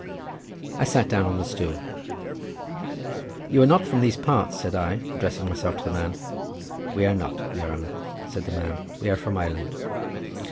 I sat down on the stool. "You are not from these parts?" said I, addressing myself to the man. "We are not, your haner," said the man; "we are from Ireland."